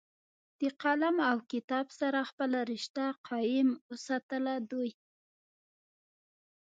د قلم او کتاب سره خپله رشته قائم اوساتله دوي